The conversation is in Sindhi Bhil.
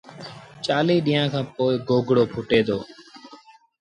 چآليٚه ڏيݩهآݩ کآݩ پو گوگڙو ڦُٽي دو